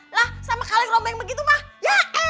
lah sama kaleng rombeng begitu ma ya elah males bener day